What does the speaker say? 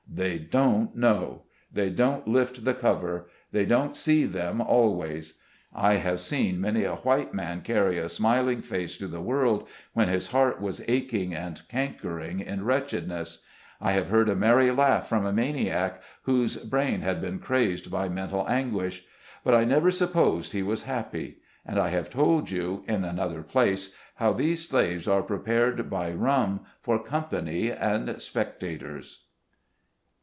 They don't know ; they don't lift the cover; they don't see them always. I have seen many a white man carry a smiling face SEVERING OF FAMILY TIES. 211 to the world, when his heart was aching and cank ering in wretchedness ; I have heard a merry laugh from a maniac, whose brain had been crazed by mental anguish, but I never supposed he was happy ; and I have told you, in another place, how these slaves are prepared by rum for company and spectators.